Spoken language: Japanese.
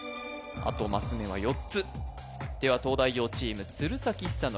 あとマス目は４つでは東大王チーム鶴崎修功